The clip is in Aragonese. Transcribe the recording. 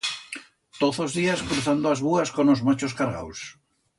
Toz os días cruzando as búas con os machos cargaus.